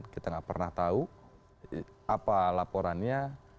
kita nggak pernah tahu apa laporannya